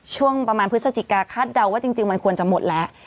ช่วงประมาณพฤศจิกาคาดเดาว่าจริงมันควรจะหมดแล้ว